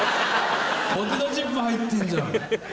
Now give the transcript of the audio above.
ポテトチップ入ってるじゃん。